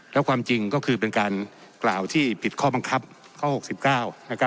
แล้วความจริงก็คือเป็นการกล่าวที่ผิดข้อบังคับข้อ๖๙